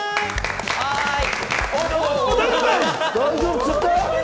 はい！